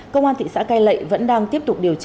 công an thị xã cai lệ vẫn đang tiếp tục điều tra